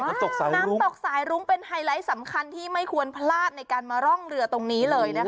น้ำตกสายรุ้งเป็นไฮไลท์สำคัญที่ไม่ควรพลาดในการมาร่องเรือตรงนี้เลยนะคะ